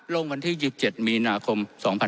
ลงวันที่๒๗มีนาคม๒๕๖๒